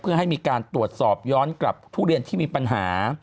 เพื่อให้มีการตรวจสอบย้อนกลับทุเรียนที่มีปัญหา